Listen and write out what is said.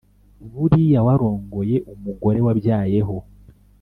Buriya warongoye umugore wabyayeho